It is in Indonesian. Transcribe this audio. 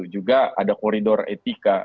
juga ada koridor etika